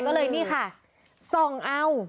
ก็เลยนี่ค่ะส่องเอา